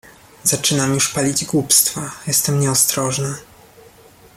"Zaczynam już palić głupstwa, jestem nieostrożny..."